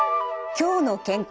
「きょうの健康」